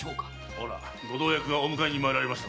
ほらご同役がお迎えに参られた。